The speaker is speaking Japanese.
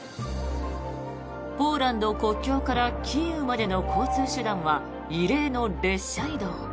ポーランド国境からキーウまでの交通手段は異例の列車移動。